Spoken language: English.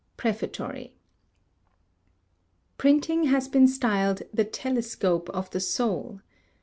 PREFATORY. Printing has been styled "The telescope of the soul."